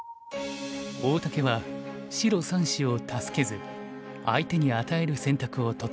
大竹は白３子を助けず相手に与える選択をとった。